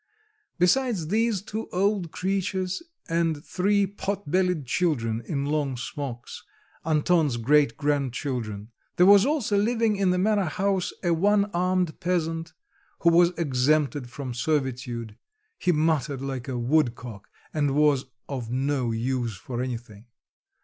Besides these two old creatures and three pot bellied children in long smocks, Anton's great grandchildren, there was also living in the manor house a one armed peasant, who was exempted from servitude; he muttered like a woodcock and was of no use for anything.